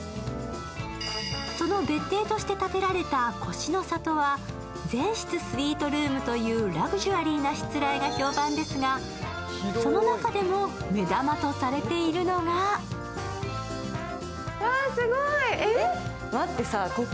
その別邸として建てられた越の里は全室スイートルームというラグジュアリーなしつらえが評判ですがその中でも目玉とされているのがわー、すごーい。